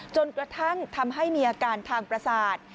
จนกระทั่งทำให้มีอาการทางประสาท